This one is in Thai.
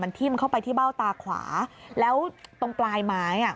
ทิ้มเข้าไปที่เบ้าตาขวาแล้วตรงปลายไม้อ่ะ